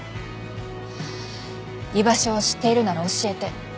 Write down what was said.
居場所を知っているなら教えて。